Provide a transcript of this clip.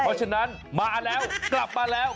เพราะฉะนั้นมาแล้วกลับมาแล้ว